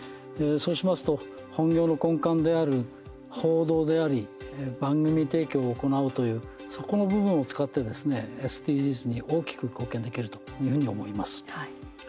そうしますと本業の根幹である報道であり番組提供を行うというそこの部分を使ってですねＳＤＧｓに大きく貢献できるというふうに思います。